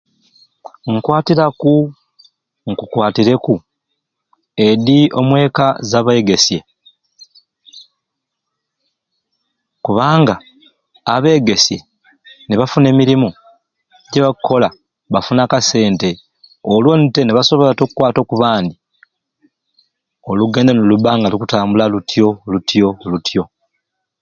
Nkwatiraku nku kwatireku edi omweka za begeesye kubanga abegeesye ni bafuna emirimu kye bakukola bafuna akasente olwonitte nibasobola okwata okubandi olugendo nilubbanga lukutambula lutyo lutyo lutyo.